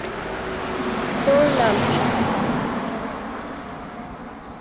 তোর নাম কি?